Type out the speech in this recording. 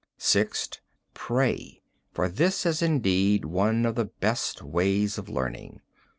"Sixth: Pray, for this is indeed one of the best ways of learning.